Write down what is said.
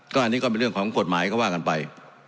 อันนี้ก็เป็นเรื่องของกฎหมายก็ว่ากันไป